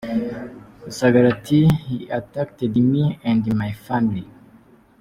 Rusagara ati “He attacked me and my family.